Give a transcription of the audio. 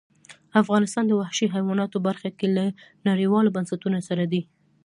افغانستان د وحشي حیواناتو برخه کې له نړیوالو بنسټونو سره دی.